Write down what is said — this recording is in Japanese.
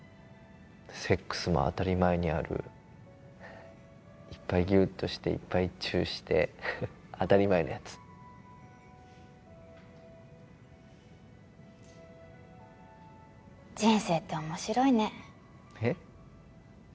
セックスも当たり前にあるいっぱいギュッとしていっぱいチューして当たり前のやつ人生って面白いねえっ？